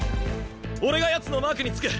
俺がやつのマークにつく！